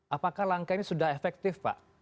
apakah langkah ini sudah efektif pak